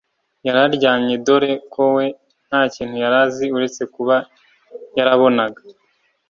yari aryamye dore ko we ntakintu yari azi uretse kuba yarabonaga